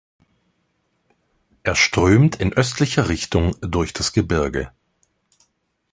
Er strömt in östlicher Richtung durch das Gebirge.